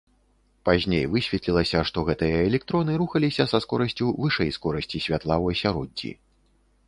Пазней высветлілася, што гэтыя электроны рухаліся са скорасцю вышэй скорасці святла ў асяроддзі.